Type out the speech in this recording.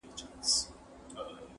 غازي دغه یې وخت دی د غزا په کرنتین کي-